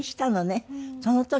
その時に。